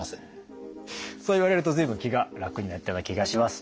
そう言われると随分気が楽になったような気がします。